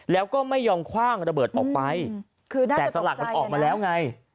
แล้วก็ไม่ยอมคว่างระเบิดออกไปแต่สลักมันออกมาแล้วไง